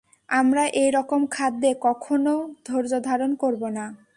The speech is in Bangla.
আমরা একই রকম খাদ্যে কখনও ধৈর্যধারণ করব না।